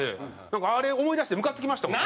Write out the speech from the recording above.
なんかあれ思い出してムカつきましたもん。